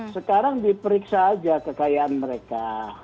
sekarang diperiksa aja kekayaan mereka